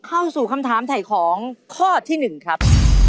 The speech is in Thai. เข้าสู่คำถามถ่ายของข้อที่๑ครับ